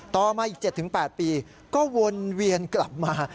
ต่อมาอีก๗๘ปีก็วนเวียนกลับมา